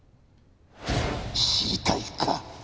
知りたいか？